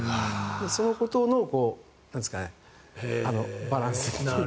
そのことのバランスというか。